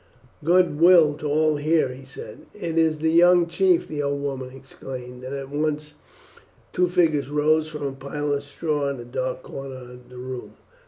"Good will to all here!" he said. "It is the young chief!" the old woman exclaimed, and at once two figures rose from a pile of straw in a dark corner of the room.